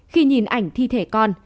khi nhìn ảnh thi thể con